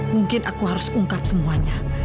mungkin aku harus ungkap semuanya